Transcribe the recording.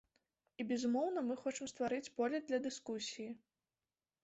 І, безумоўна, мы хочам стварыць поле для дыскусіі.